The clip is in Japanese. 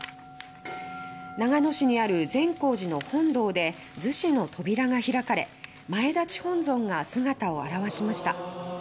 長野市にある善光寺の本堂で逗子の扉が開かれ前立本尊が姿を現しました。